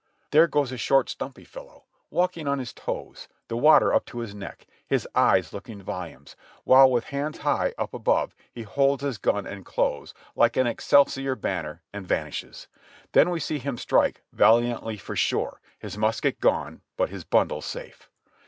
There goes a short, stumpy fellow, walking on his toes, the water up to his neck, his eyes looking volumes, while with hands high up above he holds his gun and clothes like an "Excelsior" banner and vanishes; then we see him strike valiantly for shore, his musket gone but his bundle safe.